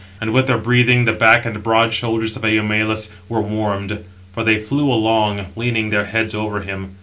And with their breathing the back and broad shoulders of Eumelus were warmed; for they flew along, leaning their heads over him.